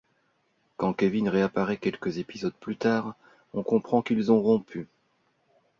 Quand Kevin réapparaît quelques épisodes plus tard, on comprend qu'ils ont rompu.